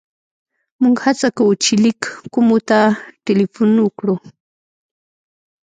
موږ هڅه کوو چې لېک کومو ته ټېلیفون وکړو.